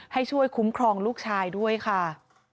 ให้ช่วยคุ้มครองลูกชายด้วยค่ะ